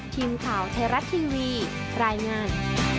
ทีมข่าวไทยรัฐทีวีรายงาน